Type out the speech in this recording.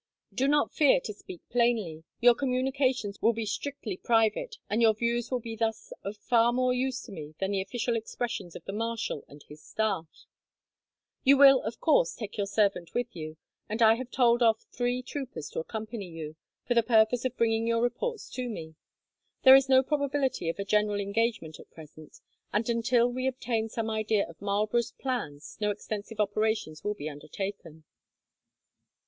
Do not fear to speak plainly. Your communications will be strictly private, and your views will be thus of far more use to me than the official expressions of the marshal and his staff. "You will, of course, take your servant with you, and I have told off three troopers to accompany you, for the purpose of bringing your reports to me. There is no probability of a general engagement at present, and until we obtain some idea of Marlborough's plans, no extensive operations will be undertaken."